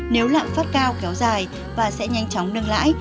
nếu lạm phát cao kéo dài và sẽ nhanh chóng nâng lãi